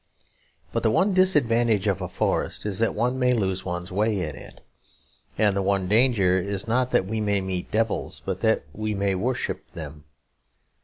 But the one disadvantage of a forest is that one may lose one's way in it. And the one danger is not that we may meet devils, but that we may worship them.